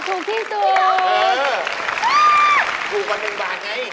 อเรนนี่มันต้องฟังอยู่ค่ะ